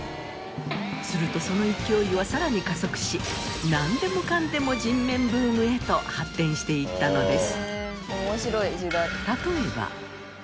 するとその勢いはさらに加速しなんでもかんでも人面ブームへと発展していったのです。